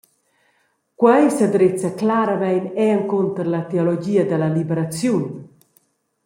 Quei sedrezza claramein era encunter la teologia dalla liberaziun.